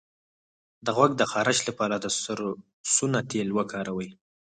د غوږ د خارش لپاره د سرسونو تېل وکاروئ